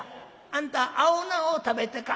「あんた青菜を食べてか？」。